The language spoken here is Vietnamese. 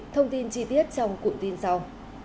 thông tin chi tiết trong cuộn tin sau